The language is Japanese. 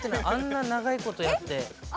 あんな長いことやって。